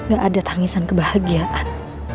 gak ada tangisan kebahagiaan